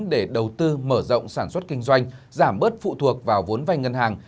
để đầu tư mở rộng sản xuất kinh doanh giảm bớt phụ thuộc vào vốn vay ngân hàng